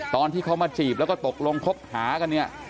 ตอนที่เขามาจีบแล้วก็ตกลงคบหากันเนี่ย